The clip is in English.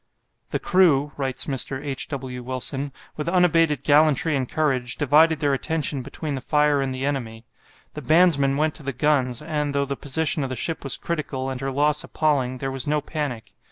"The crew," writes Mr. H. W. Wilson, "with unabated gallantry and courage, divided their attention between the fire and the enemy. The bandsmen went to the guns, and, though the position of the ship was critical, and her loss appalling, there was no panic.